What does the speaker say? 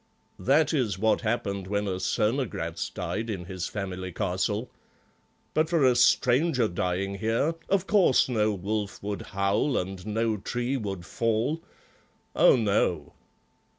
That is what happened when a Cernogratz died in his family castle. But for a stranger dying here, of course no wolf would howl and no tree would fall. Oh, no."